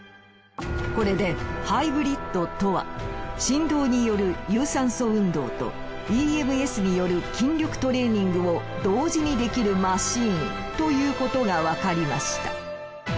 これでハイブリッドとは振動による有酸素運動とＥＭＳによる筋力トレーニングを同時にできるマシーンということがわかりました。